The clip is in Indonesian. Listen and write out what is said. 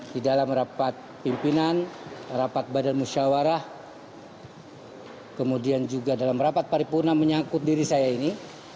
di dalam rapat pimpinan rapat badan musyawarah kemudian juga dalam rapat paripurna menyangkut diri saya ini